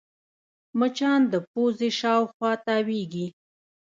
مچان د پوزې شاوخوا تاوېږي